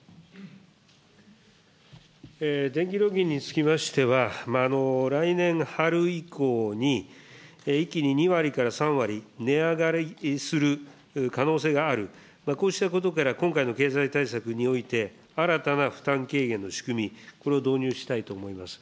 電気料金につきましては、来年春以降に、一気に２割から３割値上がりする可能性がある、こうしたことから今回の経済対策において、新たな負担軽減の仕組み、これを導入したいと思います。